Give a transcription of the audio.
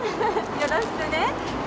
よろしくね。